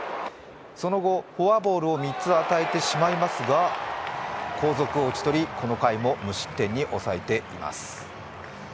その後、フォアボールを３つ与えてしまいますが後続を打ち取りこの回も無失点に抑えています。